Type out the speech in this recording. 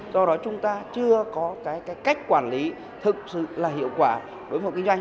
do đó chúng ta chưa có cái cách quản lý thực sự là hiệu quả với một kinh doanh